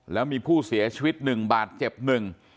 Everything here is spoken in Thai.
แล้วมีผู้เสียชีวิตหนึ่งบาดเจ็บหนึ่ง